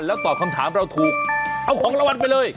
แล้วตอบคำถามเราถูกเอาของรางวัลไปเลย